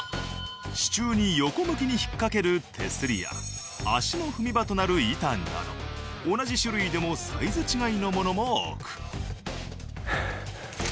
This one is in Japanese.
支柱に横向きに引っ掛ける手すりや足の踏み場となる板など同じ種類でもサイズ違いのものも多く。